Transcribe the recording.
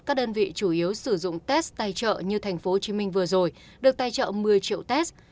các đơn vị chủ yếu sử dụng test tài trợ như tp hcm vừa rồi được tài trợ một mươi triệu test